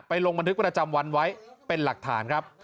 ลงบันทึกประจำวันไว้เป็นหลักฐานครับ